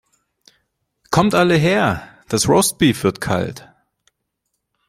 Kommt alle her, das Roastbeef wird kalt!